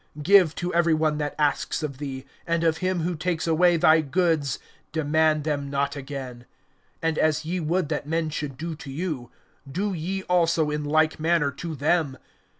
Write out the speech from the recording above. (30)Give to every one that asks of thee; and of him who takes away thy goods demand them not again. (31)And as ye would that men should do to you, do ye also in like manner to them.